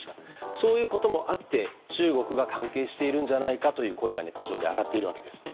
そういうこともあって中国が関係しているんじゃないかという声がネット上で上がっているわけです。